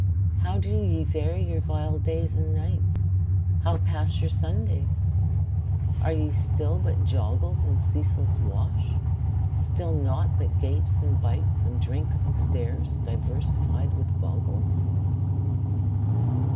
How do ye vary your vile days and nights? How pass your Sundays? Are ye still but joggles In ceaseless wash? Still naught but gapes and bites, And drinks and stares, diversified with boggles?